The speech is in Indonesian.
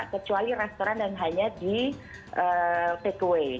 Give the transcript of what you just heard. kecuali restoran yang hanya di takeaway